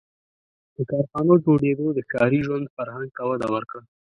• د کارخانو جوړېدو د ښاري ژوند فرهنګ ته وده ورکړه.